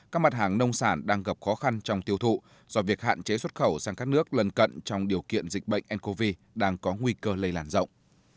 các mặt hàng nông sản đang gặp khó khăn trong tiêu thụ do việc hạn chế xuất khẩu sang các nước lân cận trong điều kiện dịch bệnh ncov đang có nguy cơ lây làn rộng